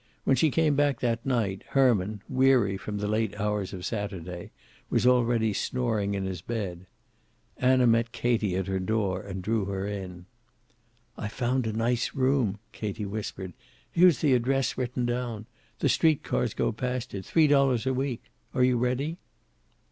When she came back that night, Herman, weary from the late hours of Saturday, was already snoring in his bed. Anna met Katie at her door and drew her in. "I've found a nice room," Katie whispered. "Here's the address written down. The street cars go past it. Three dollars a week. Are you ready?"